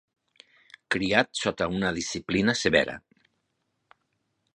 Criat sota una disciplina severa.